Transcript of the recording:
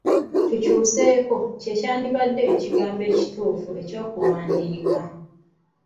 Tukyuseeko' kye kyandibadde ekigambo ekituufu eky’okuwandiika.